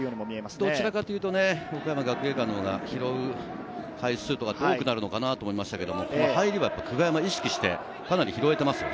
どちらかというと、岡山学芸館のほうが拾う回数多くなるのかなと思いましたが、入りは久我山、意識してかなり拾えていますね。